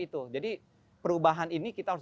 itu jadi perubahan ini kita harus